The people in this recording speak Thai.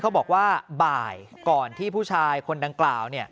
บอกว่าบ่ายก่อนที่ผู้ชายคนดังกล่าว